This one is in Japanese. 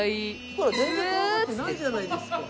ほら全然怖がってないじゃないですか。